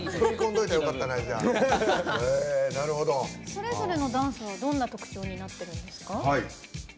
それぞれのダンスはどんな特徴になっているんですか？